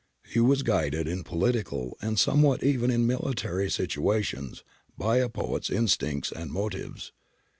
He was guided in political, and somewhat even in military situations, by a poet's instincts and motives.